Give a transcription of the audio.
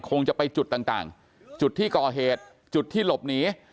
คงจะไปจุดต่างจุดที่ก่อเหตุจุดที่หลบหนี